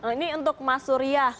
ini untuk mas surya